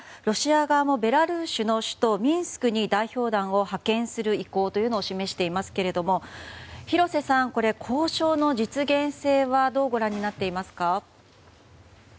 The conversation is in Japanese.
ロシア側もベラルーシの首都ミンスクに代表団を派遣する意向を示していますけど廣瀬さん、交渉の実現性はどうご覧になっていますか？